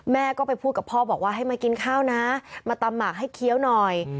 แม่ก็ไปพูดกับพ่อบอกว่าให้มากินข้าวนะมาตำหมากให้เคี้ยวหน่อย